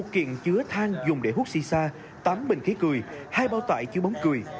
một kiện chứa thang dùng để hút si sa tám bình khí cười hai bao tải chứa bóng cười